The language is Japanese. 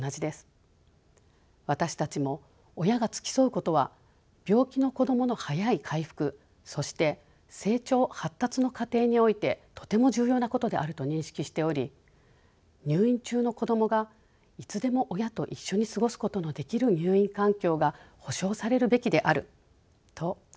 私たちも親が付き添うことは病気の子どもの早い回復そして成長発達の過程においてとても重要なことであると認識しており入院中の子どもがいつでも親と一緒に過ごすことのできる入院環境が保障されるべきであると考えています。